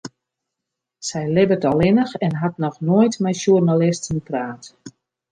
Sy libbet allinnich en hat noch noait mei sjoernalisten praat.